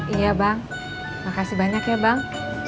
iya bang makasih banyak ya bang